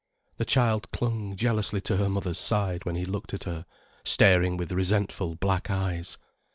The child clung jealously to her mother's side when he looked at her, staring with resentful black eyes.